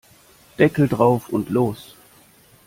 Deckel drauf und los!